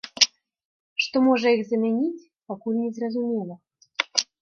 Што можа іх замяніць, пакуль незразумела.